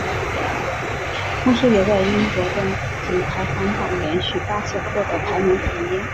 同时也在英国专辑排行榜连续八次获得排名第一。